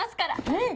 うん！